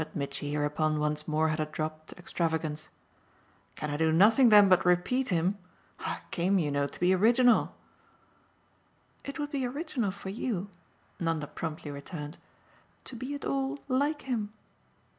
But Mitchy hereupon once more had a drop to extravagance. "Can I do nothing then but repeat him? I came, you know, to be original." "It would be original for you," Nanda promptly returned, "to be at all like him.